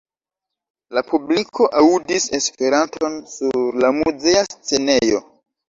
La publiko aŭdis Esperanton sur la muzea scenejo.